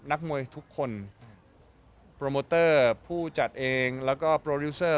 นักมวยทุกคนโปรโมเตอร์ผู้จัดเองแล้วก็โปรดิวเซอร์